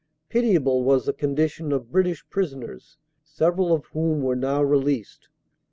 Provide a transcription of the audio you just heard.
Pitiable was the condition of British prisoners, several of whom were now released.